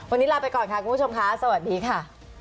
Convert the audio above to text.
วันนี้ลาไปก่อนค่ะคุณผู้ชมค่ะสวัสดีค่ะ